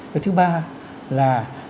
cái thứ ba là